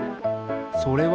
それは？